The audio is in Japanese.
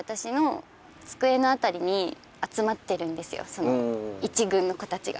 その１軍の子たちが。